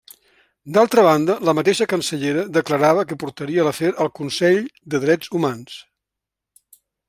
D'altra banda, la mateixa cancellera declarava que portaria l'afer al Consell de Drets Humans.